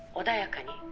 「穏やかに。